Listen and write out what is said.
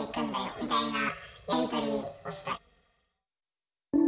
みたいなやり取りをした。